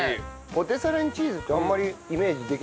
ポテサラにチーズってあんまりイメージできなかったけど。